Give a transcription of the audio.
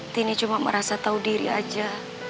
tini cuma merasa tahu diri aja